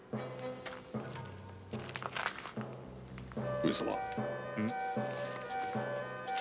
上様。